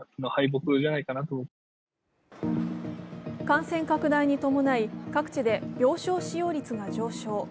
感染拡大に伴い各地で病床使用率が上昇。